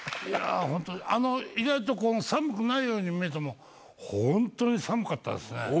いやぁ、本当、意外と寒くないように見えても、本当に寒かったですね。